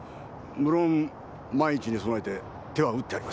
無論万一に備えて手は打ってあります。